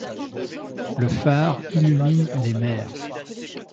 Le phare illumine les mers.